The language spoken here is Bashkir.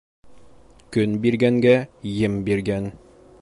Көн биргәнгә ем биргән.